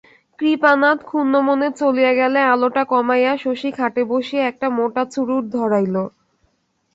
কৃপানাথ ক্ষুণ্ণমনে চলিয়া গেলে আলোটা কমাইয়া শশী খাটে বসিয়া একটা মোটা চুরুট ধরাইল।